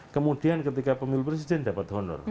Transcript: kemudian ketika pemilu presiden dapat honor